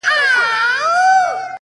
هغه قبرو ته ورځم-